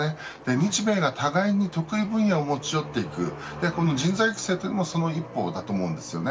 日米が互いに得意分野を持ち寄っていく人材育成もその一歩だと思います。